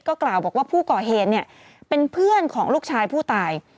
กล่าวบอกว่าผู้ก่อเหตุเนี่ยเป็นเพื่อนของลูกชายผู้ตาย